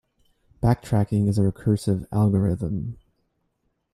Backtracking is a recursive algorithm.